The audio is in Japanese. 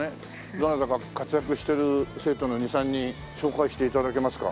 どなたか活躍してる生徒の２３人紹介して頂けますか？